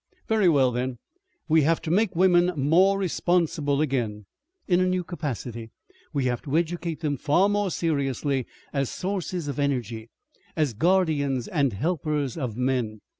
"Very well, then, we have to make women more responsible again. In a new capacity. We have to educate them far more seriously as sources of energy as guardians and helpers of men.